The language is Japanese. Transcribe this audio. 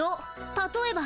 たとえば。